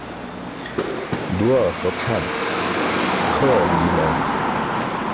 卢尔河畔科尔尼隆。